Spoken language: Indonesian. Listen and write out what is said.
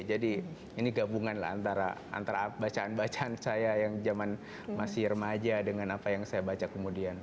jadi ini gabungan lah antara bacaan bacaan saya yang zaman masih remaja dengan apa yang saya baca kemudian